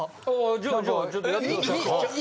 じゃあじゃあちょっとやってください。